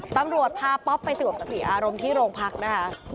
ตำรวจพาป๊อบไปส่วนเสกี้อารมณ์ที่โรงพักษณ์นะคะ